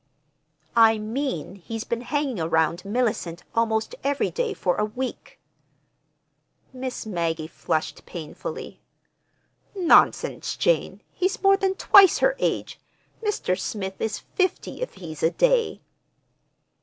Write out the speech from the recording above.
"I mean he's been hanging around Mellicent almost every day for a week." Miss Maggie flushed painfully. "Nonsense, Jane! He's more than twice her age. Mr. Smith is fifty if he's a day."